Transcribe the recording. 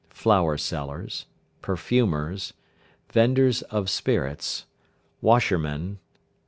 Flower sellers. Perfumers. Vendors of spirits. Washermen.